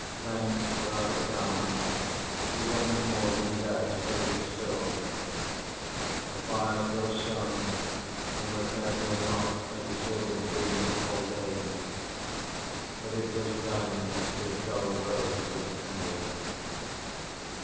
Then rather calm, he once more leaned out over the sill. The fire still shone and was therefore not a disordered dream of old age, but it was dying to a dull rose of embers.